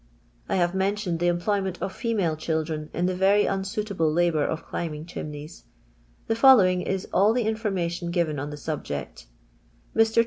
I I have mentioned the employment of female cliildren in the very unsuiuible labour of climb ing ciiinmeys. The following is ull the informa tion «,Mven on the subject. Mr.